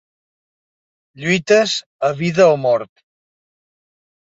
Lluites a vida o mort.